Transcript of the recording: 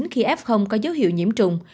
khi f có dấu hiệu nhiễm trùng